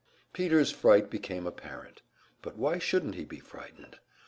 Peter's fright became apparent. But why shouldn't he be frightened?